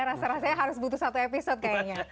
rasa rasanya harus butuh satu episode kayaknya